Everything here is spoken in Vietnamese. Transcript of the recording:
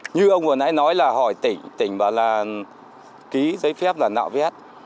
như ông vừa nói là hỏi tỉnh tỉnh bảo là ký giấy phép là nạo vét